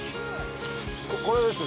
これですね。